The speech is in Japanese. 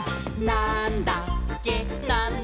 なんだっけ？！」